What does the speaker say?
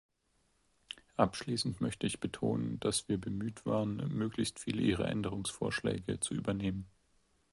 Abschließend möchte ich betonen, dass wir bemüht waren, möglichst viele Ihrer Änderungsvorschläge zu übernehmen.